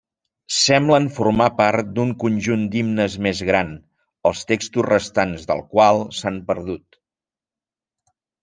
Semblen formar part d'un conjunt d'himnes més gran, els textos restants del qual s'han perdut.